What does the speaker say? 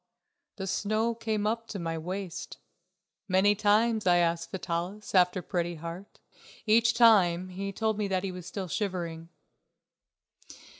The snow came up to my waist. Many times I asked Vitalis after Pretty Heart. Each time he told me that he was still shivering.